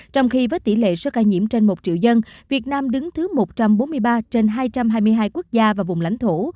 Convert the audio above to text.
trong khi với tỷ lệ số ca nhiễm trên một triệu dân việt nam đứng thứ một trăm bốn mươi ba trên hai trăm hai mươi hai quốc gia và vùng lãnh thổ